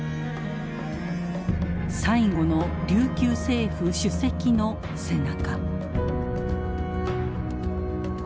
最後の琉球政府主席の背中。